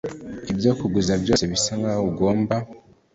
ibyo kuguza byose bisa nkaho ugomba